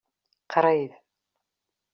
Qrib.